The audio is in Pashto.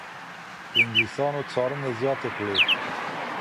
انګلیسانو څارنې زیاتې کړې.